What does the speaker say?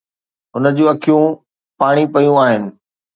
هن جون اکيون پاڻي پيون آهن.